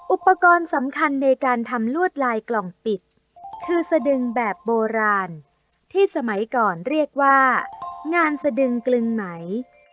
อุปกรณ์สำคัญในการทำลวดลายกล่องปิดคือสดึงแบบโบราณที่สมัยก่อนเรียกว่างานสะดึงกลึงไหม